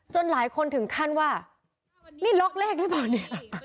หลายคนถึงขั้นว่านี่ล็อกเลขหรือเปล่าเนี่ย